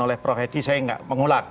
oleh prof edi saya mengulang